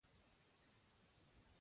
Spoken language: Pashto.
بهلوله څه ډول مشوره دې راکړې وه.